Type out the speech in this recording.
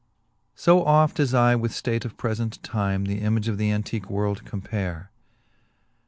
I. O oft as I with ftate of prefent time The image of the antique world compare.